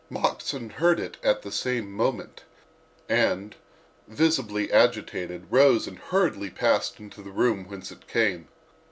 Moxon heard it at the same moment and, visibly agitated, rose and hurriedly passed into the room whence it came.